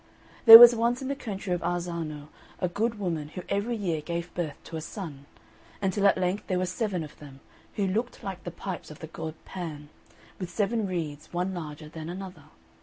There was once in the county of Arzano a good woman who every year gave birth to a son, until at length there were seven of them, who looked like the pipes of the god Pan, with seven reeds, one larger than another.